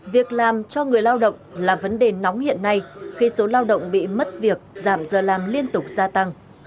việc làm cho người lao động là vấn đề nóng hiện nay khi số lao động bị mất việc giảm giờ làm liên tục gia tăng